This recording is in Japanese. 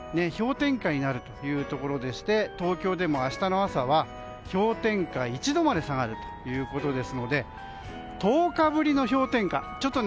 氷点下になるところでして東京でも明日の朝は氷点下１度まで下がるということで１０日ぶりの氷点下。